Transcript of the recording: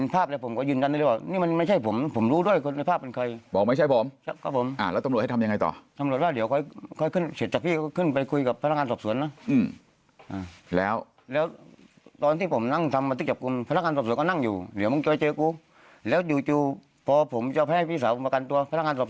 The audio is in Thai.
ภาพหรือคนที่มันอยู่ในภาพนี่ผมก็ได้ยืนยันเลยว่าชั้นไม่ใช่ผมผมรู้ด้วยคนในภาพเป็นใคร